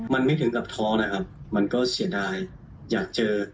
มันไม่ถึงกับท้องนะครับมันก็เสียดายอยากเจอ